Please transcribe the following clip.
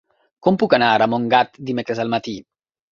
Com puc anar a Montgat dimecres al matí?